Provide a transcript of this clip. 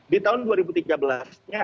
di tahun dua ribu tiga belas nya